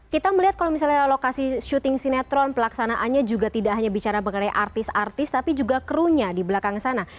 kita melihat kalau misalnya lokasi syuting sinetron pelaksanaannya juga tidak hanya bicara mengenai artis artis tapi juga krunya di belakang sana